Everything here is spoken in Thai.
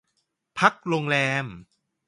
พักโรงแรม